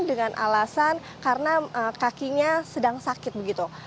dengan alasan karena kakinya sedang sakit begitu